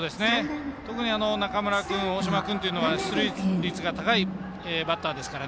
特に中村君大島君というのは出塁率が高いバッターですから。